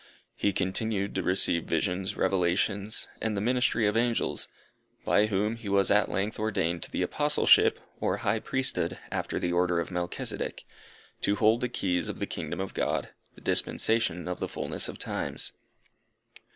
He continued to receive visions, revelations, and the ministry of angels, by whom he was at length ordained to the Apostleship, or High Priesthood after the order of Melchizedec, to hold the keys of the kingdom of God, the dispensation of the fulness of times.